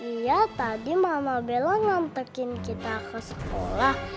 iya tadi mama bella ngantekin kita ke sekolah